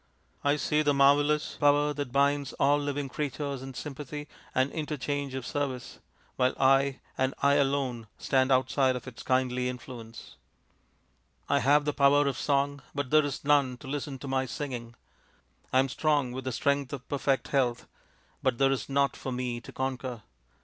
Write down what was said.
I see the marvellous power that binds all living creatures in sympathy and interchange of service, while I, and I alone, stand outside of its kindly influence. " I have the power of song, but there is none to listen to my singing. I am strong with the strength of perfect health, but there is naught for me to conquer.